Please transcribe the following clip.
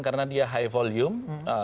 karena dia high volume